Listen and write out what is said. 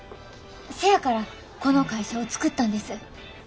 せやからこの会社を作ったんです。